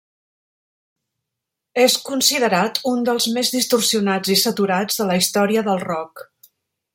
És considerat un dels més distorsionats i saturats de la història del rock.